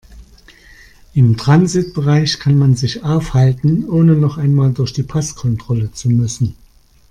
Im Transitbereich kann man sich aufhalten, ohne noch einmal durch die Passkontrolle zu müssen.